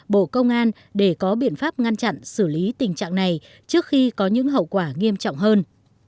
bộ công an để có biện pháp ngăn chặn xử lý tình trạng này trước khi có những hậu quả nghiêm trọng hơn